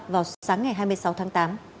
vào sáng ngày hai mươi sáu tháng tám